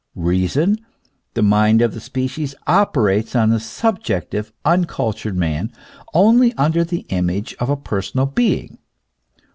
Keason, the mind of the species, operates on the subjective, uncultured man only under the image of a personal being.